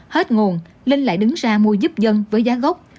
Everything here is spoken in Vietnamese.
hết nguồn linh lại đứng ra mua giúp dân với giá gốc